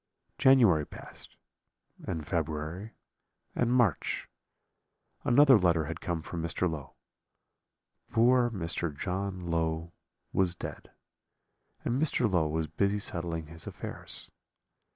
"January passed, and February, and March; another letter had come from Mr. Low; poor Mr. John Low was dead, and Mr. Low was busy settling his affairs.